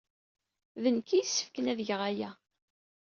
D nekk ay yessefken ad geɣ aya.